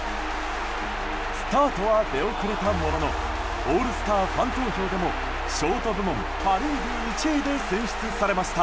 スタートは出遅れたもののオールスターファン投票でもショート部門パ・リーグ１位で選出されました。